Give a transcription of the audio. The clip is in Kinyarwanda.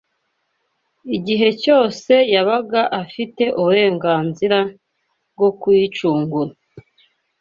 igihe cyose yabaga afite uburenganzira bwo kuyicungura